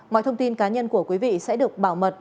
mọi thông tin cá nhân của quý vị sẽ được bảo mật